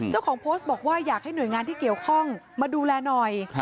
เจ้าของโพสต์บอกว่าอยากให้หน่วยงานที่เกี่ยวข้องมาดูแลหน่อย